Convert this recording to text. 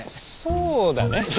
そうだね。